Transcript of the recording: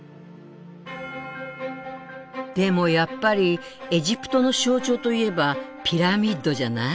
でもやっぱりエジプトの象徴といえばピラミッドじゃない？